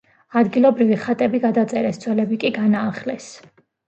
ადგილობრივი ხატები გადაწერეს, ძველები კი განაახლეს.